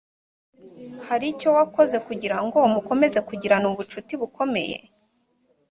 hari icyo wakoze kugira ngo mukomeze kugirana ubucuti bukomeye